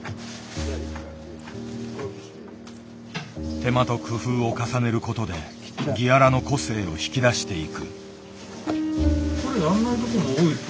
手間と工夫を重ねることでギアラの個性を引き出していく。